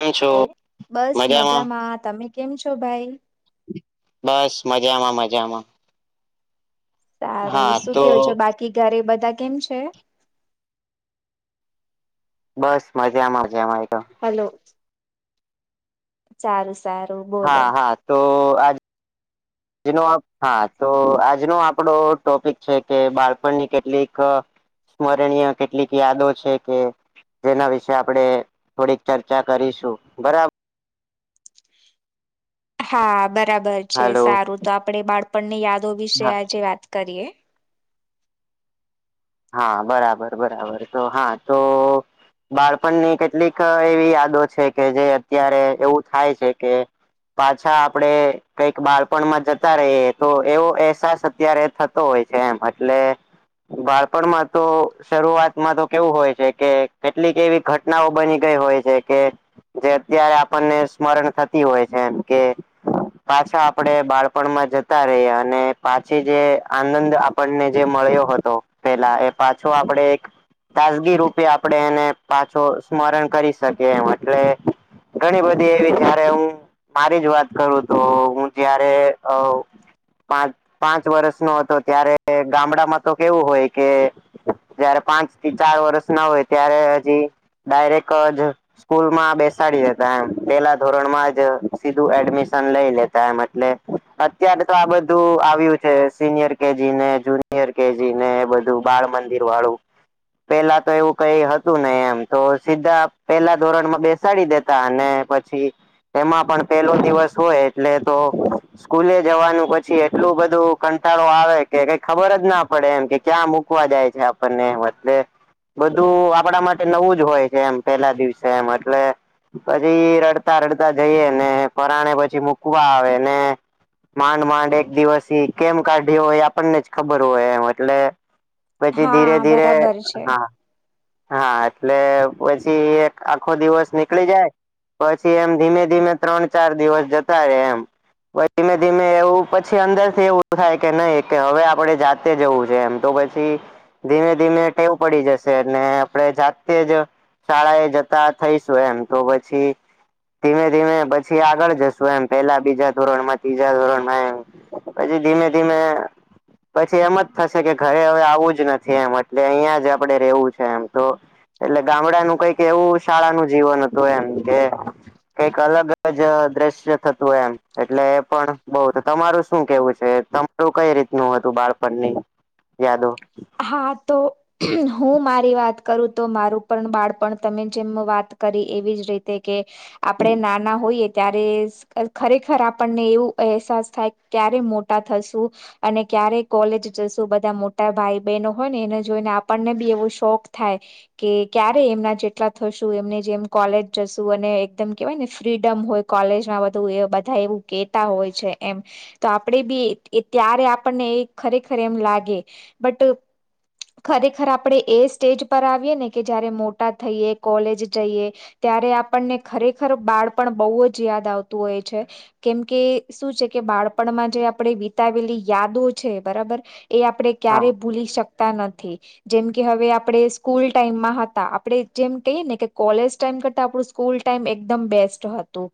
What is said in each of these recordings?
કેમ ઓ છો બસ મજામાં તમે કેમ છો ભાઈ બસ મજામાં મજામાં, સારું હા શું તો કેવું છો બાકી ઘરે બધા કેમ છે બસ મજામાં છે અ મેતો - હલો સારું શે - હા હા તો આજ આ હા તો આજનો આપડો ટોપિક છે કે, બાળપણની કેટલીક સ્મરણીય કેટલીક યાદો છે કે જેના વિશેે આપણે થોડીક ચર્ચા કરીશું બરાબર, હા બરાબર છે, હાલો સારું તો આપણેે બાળપણની યાદો હા વિશે આજે વાત કરીએ, હા બરાબર બરાબર તો હા તો બાળપણની કેટલીક એવી યાદો છે, કે જે અત્યારે એવું થાય છે કે, પાછા આપડે કઈક બાળપણમાં જતા રહીએ તો એવો અહેસાસ અત્યારે, હોય છે, એમ એટલે બાળપણ, માં તો શરૂઆતમાં તો કેવું હોય છે, કે કેટલીક એવી ઘટનાઓ બની ગઈ હોય છે કે, જે અત્યારે આપણને સ્મરણ થતી હોય છે એમ કે, પાછા આપડે બાળપણમાં જતા રહીએ અને પાછી જે આનંદ, નહીં, જે મળ્યો હતો પેલા એ પાછો આપણે એક. તાજગીરૂપે આપણે એને પાછો સ્મરણ કરી શકીએ એમ એટલે. ઘણી બધી એવી જ્યારે હું. મારી જ વાત કરું તો, હું ત્યારે. પાંચ-પાંચ વર્ષનો હતો ત્યારે ગામડામાં તો કેવું હોય કે. જ્યારે પાંચથી ચાર વર્ષના હોય ત્યારે હજી ડાયરેક્ટ જ. સ્કૂલમાં બેસાડી દેતા એમ, પહેલા ધોરણમાં જ સીધું એડમિશન લઈ લેતા એમ એટલે. અત્યારે તો આ બધું આવ્યું છે, સિનિયર કેજી ને જુનિયર કેજી. બધું બાળમંદિરવાળું. પહેલાં તો એવું કંઈ હતું નહીં એમ, સીધા પહેલા ધોરણમાં બેસાડી દેતા. અને પછી એમાં પણ પહેલો દિવસ હોય એટલે તો. સ્કૂલે જવાનું, પછી એટલો બધો કંટાળો આવે કે કંઈ ખબર જ ના પડે. પડે એમ કે ક્યાં મૂકવા જાય છે આપણને એટલે. બધું આપણા માટે નવું જ હોય છે એમ, પહેલા દિવસે એટલે. પછી રડતા રડતા જઈએ ને, પરાણે પછી મૂકવા આવે ને. માંડ માંડ એક દિવસ કેમ કાઢ્યો હોય, આપણને જ ખબર હોય એમ એટલે. પછી હા ધીરે ધીરે, બરાબર છે હા. હા, એટલે પછી એક આખો દિવસ નીકળી જાય. પછી એમ ધીમે ધીમે ત્રણ-ચાર દિવસ જતા રહે એમ. ધીમે ધીમે એવું પછી અંદરથી એવું થાય કે, નહીં, હવે આપણું જ છે. જવું છે એમ તો પછી. ધીમે ધીમે ટેવ પડી જશે અને આપણાથી જાતે જ. શાળાએ જતા થઈશું એમ તો પછી. ધીમે ધીમે પછી આગળ જઈશું એમ, પહેલાં બીજા ધોરણમાં, ત્રીજા ધોરણમાં એમ. પછી ધીમે ધીમે. પછી એમ જ થશે કે ઘરે હવે આવું જ નથી એમ એટલે, અહીંયા જ આપણે રહેવું છે એમ તો. એટલે ગામડાનું કંઈક એવું શાળાનું જીવન હતું એમ કે. કંઈક અલગ જ દૃશ્ય થતું હોય એમ એટલે, એ પણ. બધું તો તમારું શું કહેવું છે? તમારું કઈ રીતનું હતું, બાળપણની યાદો? હા તો. હું મારી વાત કરું તો, મારું પણ બાળપણ તમે જેમ વાત કરી એવી જ રીતે. કે આપણે નાના હોઈએ. ત્યારે ખરેખર આપણને એવો અહેસાસ થાય કે ક્યારે મોટા થઈશું. અને ક્યારેક કોલેજ જઈશું, બધા મોટા ભાઈ... બનો હોય ને, એને જોઈને આપણને પણ એવો શોખ થાય. કે ક્યારે એમના જેટલા થઈશું, એમની જેમ કોલેજ જઈશું અને એકદમ, કહેવાય ને, ફ્રીડમ હોય. કોલેજમાં બધું, બધા એવું કહેતા હોય છે એમ. તો આપણને પણ ત્યારે ખરેખર એમ લાગે, બસ. ખરેખર આપણે એ સ્ટેજ પર આવીએ ને, કે જ્યારે મોટા થઈએ, કોલેજ જઈએ. ત્યારે આપણને ખરેખર બાળપણ બહુ જ યાદ આવતું હોય છે. કેમ કે શું છે કે બાળપણમાં જે આપણે વિતાવેલી યાદો છે, બરાબર. એ આપડે હા ક્યારેય ભૂલી શકતા નથી. જેમ કે હવે આપડે સ્કૂલ ટાઈમમાં હતા, આપડે જેમ કહીએ ને કે કોલેજ ટાઈમ કરતાં આપડું સ્કૂલટાઈમ એકદમ બેસ્ટ હતો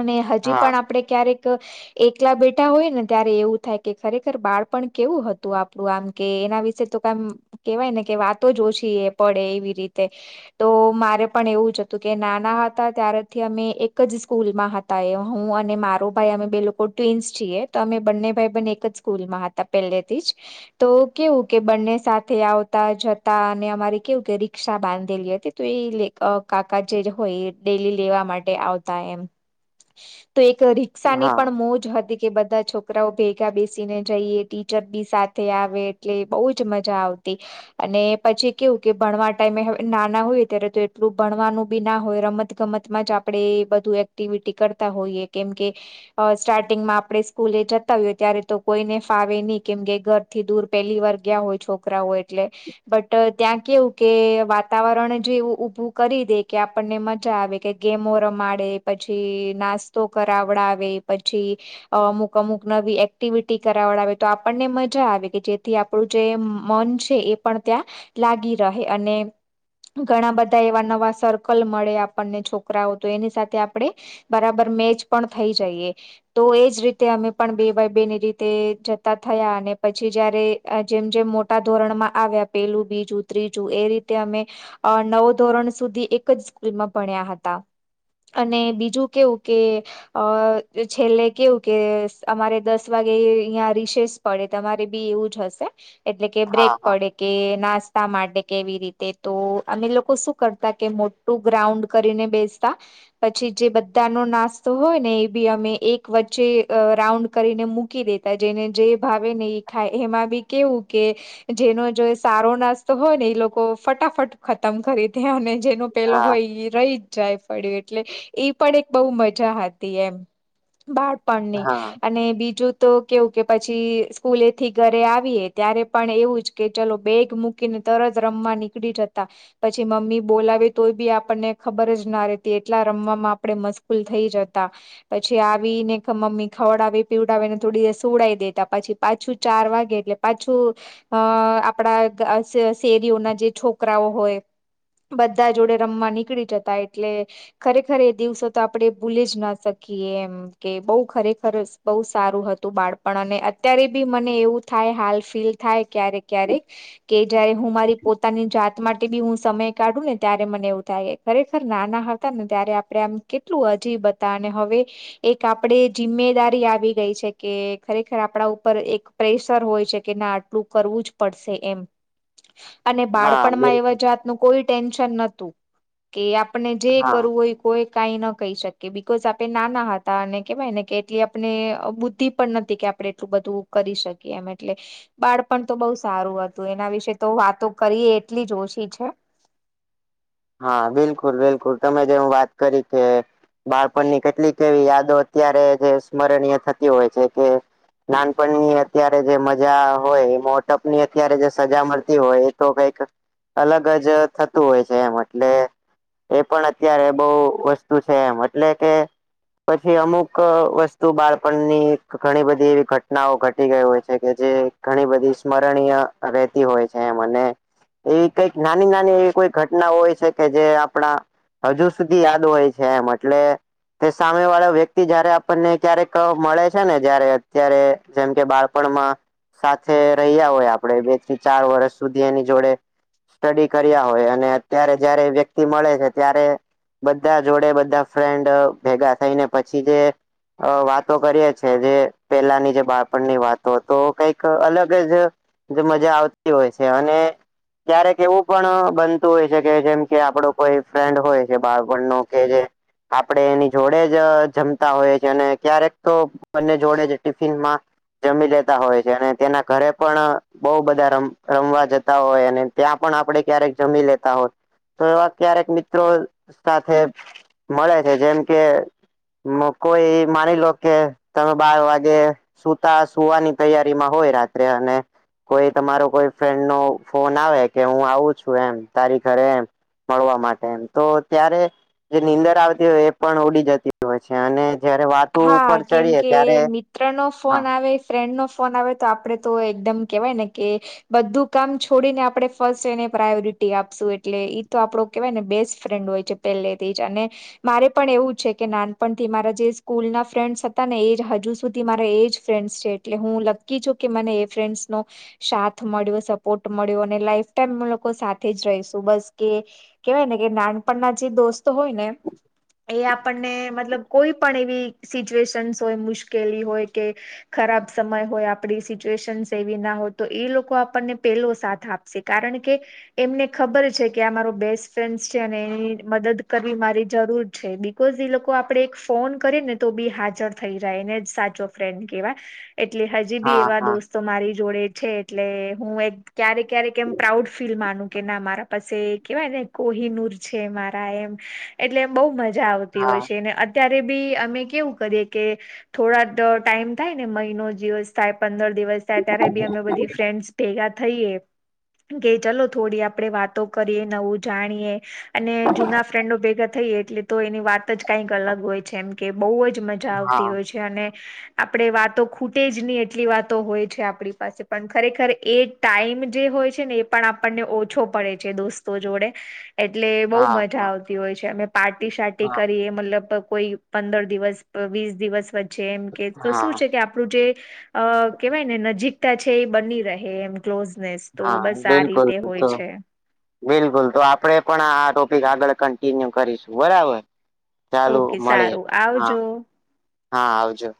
અને હજી હા પણ આપણે ક્યારેક એકલા બેઠા હોઈએ ને ત્યારે એવું થાય કે ખરેખર બાળપણ કેવું હતું આપડું આમ. કે એના વિશે તો કમ કહેવાય ને, કે વાતો જ ઓછી એ પડે એવી રીતે. તો મારે પણ એવું જ હતું કે નાના હતા ત્યારથી અમે એક જ સ્કૂલમાં હ તા. હું અને મારો ભાઈ, અમે બે લોકો ટ્વિન્સ છીએ, તો અમે બંને ભાઈ બેન એક જ સ્કૂલમાં હ તાં પહેલેથી જ. તો કેવું કે બંને સાથે આવતા-જતા અને અમારે કેવું કે રિક્ષા બાંધેલી હતી. તો એલે કાકા જે હોય ડેલી લેવા માટે આવતા એમ. [inaudible] તો એ કઢી સાની હા પણ મોજ હતી કે બધા છોકરાઓ ભેગા બેસીને જઈએ ટીચર બી સા થે આવે એટલે બહુ જ મજા આવતી. અને પછી કેવું કે ભણવા ટાઈમે હવે નાના હોય ત્યારે તો એટલું ભણવાનું બી ના હોય રમત-ગમત માં જ આપડે બધું એક્ટિવિટી કરતા હોઈએ કેમ કે, અ સ્ટાર્ટિંગમાં આપડે સ્કૂલે જતા હોયએ ત્યારે તો કોઈને ફાવે નહી કેમ કે ઘર થી દૂર પેલીવાર ગયા હોય છોકરાઓ એટલે બટ ત્યાં કેવું કે વાતાવરણ જો એવું ઉભું કરી દે કે આપણને મજા આવે કે ગેમો રમાડે પછી નાસ્તો કરાવડાવે પછી અમુક અમુક નવી એક્ટિવિટી કરાવડાવે તો આપણને મ જા આવે કે જેથી આપણું જે મન છે એ પણ ત્યાં લાગી રહે અને ઘણાં બધા એવા નવા સર્કલ મળે આપણને છોકરાઓ તો એની સાથે આપડે બરાબર મેચ પણ થઈ જઈએ. તો એજ રીતે અમે પણ બે બાઈ બે ની રીતે જતા થયા અને પછી જયારે જેમ જેમ મોટા ધોરણમાં આવ્યા પેલું બીજું ત્રીજું એ રીતે અમે અ નવ ધોરણ સુધી એક જ સ્કૂલમાં ભણ્યા હતા. અને બીજું કેવું કે, અ છેલ્લે કેવું કે અમારે દસ વાગે અહિયાં રિશેસ પડે. તમારે બી એવું જ હશે એટલે કે બ્રેક હા પડે. કે નાસ્તા માટે કેવી રીતે તો અમે લોકો શું કરતા કે મોટુ ગ્રાઉન્ડ કરીને બેસતા પછી જે બધા નો નાસ્તો હોય ને એ બી અમે એક વચ્ચે રાઉન્ડ કરીને મૂકી દેતી તા જેને જે ભાવે ને એ ખાય એમાં બી કેવું કે જેનો જો સારો નાસ્તો હોય ને એ લોકો ફટાફટ ખતમ કરી દે અને જેનો પેલો હા હોય એ રહી જાય પડ્યું એટલે ઈ પણ એક બો મજા હતી એમ પણ ની હા અને બીજું તો કેવું કે પછી સ્કૂલેથી ઘરે આવીએ ત્યારે પણ એવું જ કે ચલો બેગ મૂકીને તરત રમવા નીકળી જતા. પછી મમ્મી બોલાવે તોય બી આપણને ખબર જ ના રેતી એટલા રમવામાં આપણે મશગુલ થઈ જતા. પછી આવી ને મમ્મી ખવડાવી પીવડાવીને થોડી વાર સુવડાઈ દેતા પછી પાછું ચાર વાગે એટલે પાછું અ આપડા શેરીઓના જે છોકરાઓ હોય બધા જોડે રમવા નીકળી જતા એટલે ખરેખર એ દિવસો તો આપડે ભૂલી જ ના શકીએ એમ કે બઉ ખરેખર બઉ સારું હતું બાળપણ અને ત્યારે બી મને એવું થાય હાલ ફીલ થાય ક્યારેક ક્યારેક કે જયારે હું મારી પોતાની જાત ત માટે બી હું સમય કાઢું ને ત્યારે મને એવું થાય ખરેખર નાના હતા ને ત્યારે આપડે આમ કેટલું અજીબ હતા ને હવે એક આપડે જિમ્મેદારી આવી ગઈ છે કે ખરેખર આ પડા ઉપર એક પ્રેશર હોય છે કે ના આટલું કરવું જ પડશે એમ અને હા બાળપણમાં બિલકુલ એવા જાતનું કોઈ ટેન્શન નતું કે આપને જે હા કરુવું હોઈ કોઈ કઈ ન કહી શકે બિકઝ આપે નાના હતા અને કેવાય ને કે એટલી આપને બુદ્ધિ પણ નથી કે આપડે એટલું બધું કરી શકીએ એમ એટલે બાળપણ તો બઉ સારું હતું એના વિશે તો વાતો કરી એટલી જ ઓછી છે હા બિલકુલ બિલકુલ તમે જેવું વાત કરી કે બાળપણની કેટલીક એવી યાદો અત્યારે જે સ્મરણીય થતી હોય છે કે નાનપણની અત્યારે જે મજા હોય એ મોટપની અત્યારે જે સજા મળતી હોય એ તો કંઈક અલગ જ થતું હોય છે એમ એટલે એ પણ અત્યારે બઉ વસ્તુ છે, એમ એટલે કે પછી અમુક વસ્તુ બાળપણની ઘણી બધી એવી ઘટનાઓ ઘટી ગઈ હોય છે કે જે ઘણી બધી સ્મરણીય રહેતી હોય છે એમ અને એવી કંઇક નાની નાની એવી કોઈ ઘટના હોય છે કે જે આપણા હજુ સુધી યાદ હોય છે એમ એટલે તે સામે વાળા વ્યક્તિ જ્યારે આપણને ક્યારેક મળે છે ને જ્યારે અત્યારે જેમ કે બાળપણમાં સાથે રહ્યા હોય આપડે બે થી ચાર વર્ષ સુધી એની જોડે સ્ટડી કર્યા હોય અને અત્યારે જયારે એ વ્યક્તિ મળે છે ત્યારે બધા જોડે બધા ફ્રેન્ડ ભેગા થઈને પછી જે અ વાતો કરીએ છે જે પેલાની જે બાળપણની વાતો તો કંઈક અલગ જ જે મજા આવતી હોય છે, અને ક્યારેક એવું પણ બનતું હોય છે કે જેમ કે આપડો કોઈ ફ્રેન્ડ હોય કે બાળણનો કે જે આપડે એની જોડે જ જમતા હોય છે અને ક્યારેક તો બંને જોડે જ ટિફિનમાં જમી જતા હોય છે અને તેના ઘરે પણ બહુ બધા રમ રમવા જતા હોય અને ત્યાં પણ આપડે ક્યારેક જમી લેતા હોત તો એવા ક્યારેક મિત્રો સાથે મળે છે જેમ કે મોકો ઈ માની લો કે તમે બાર વાગે સુતા સુવાની તૈયારીમાં હોય રાત્રે અને કોઈ તમારો કોઈ ફ્રેન્ડ નો ફોન આવે કે હું આવું છું એમ તારી ઘરે એમ મળવા માટે એમ તો ત્યારે જે નીંદર આવતી હોય એ પણ ઉડી જતી હોય છે અને જયારે વાત હા કેમ કે મી ત્ર નો હા ફોન આવે ફ્રેન્ડ નો ફોન આવે તો આપડે તો એકદમ કેવાય ને કે બધું કામ છોડીને આપડે ફર્સ્ટ એને પ્રાયોરિટી આપશું એટલે ઈ તો આપડો કેવાને બેસ્ટ ફ્રેન્ડ હોય છે પેલેથી જ અને મારે પણ એવું છે કે નાનપણથી મારા જે સ્કૂલના ફ્રેન્ડ્સ હતા ને એ જ હજુ સુધી મારા એ જ ફ્રેન્ડ્સ છે, એટલે હું લક્કી છું કે મને એ ફ્રેન્ડસનો સાથ મળ્યો સપોર્ટ મળ્યો અને લાઈફ ટાઈમ અમે લોકો સાથે જ રહીશું બસ કે કેવાયને કે નાનપણના જે દોસ્તો હોય ને એ આપણને મતલબ કોઈ પણ એવી સિચ્યુએશન્સ હોય મુશ્કેલી હોય કે ખરાબ સમય હોય આપણી સિચ્યુએશન એવી ના હોય તો એ લોકો આપણને પેલો સાથ આપે સે કારણ કે એમને ખબર છે કે, આ મારો બેસ્ટ ફ્રેન્ડસ છે અને એની મદદ કરવી મારી જરૂર છે કોઝી લોકો આપણેે એક ફોન કરી ને તો બી હાજર થઈ જાય એને જ સાચો ફ્રેન્ડ કેવાય એટલે હજી બી હા એવા હા દોસ્તો મારી જોડે છે એટલે હું એક ક્યારેક ક્યારેક એમ પ્રાઉડ ફીલ માનું કે ના મારા પાસે કેવાય ને કોહીનુર છે મારા એમ એટલે એમ બહુ મજા આવતી હોય હા છે ને ત્યારે બી અમે કેવું કરીએ કે થોડાટ ટાઈમ થાય ને મહિનો દિવસ થાય, પંદર દિવસ થાય, ત્યારે બી અમે બધી ફ્રેન્ડસ ભેગા થઈએ કે ચલો થોડી આપણેે વાતો કરીએ નવું જાણીએ અને જૂના ફ્રેન્ડો ભેગા થઈએ એટલે તો એની વાત જ કઈક અલગ હોય છે એમ કે બહુ જ મજા આવતી હા હોય છે અને આપણે વાતો ખૂટે જ ની એટલી વાતો હોય છે આપણી પાસે પણ ખરેખર એ ટાઈમ જે હોય છે ને એ પણ આપણને ઓછો પડે છે દોસ્તો જોડે એટલે બહુ મજા હા આવતી હોય છે અમે પાર્ટી સાર્ટી હા કરીએ મતલબ કોઈ પંદર દિવસ, વીસ દિવસ, વચ્ચે એમ કે તો શું હા છે કે આપણું જે અ કેવાય ને નજીકતા છે એ બની રહે એમ ક્લોઝનેસ તો હા બસ આ બિલકુલ રીતે હોય તો છે બિલકુલ તો આપડે પણ આ ટોપિક આગળ કન્ટિન્યુ કરીશું બરાબર ચાલુ ઓકે મળીયે, સારું હા, આવજો હા, આવજો